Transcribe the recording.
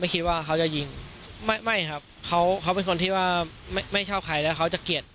คิดว่าเขาจะยิงไม่ไม่ครับเขาเขาเป็นคนที่ว่าไม่ไม่ชอบใครแล้วเขาจะเกลียด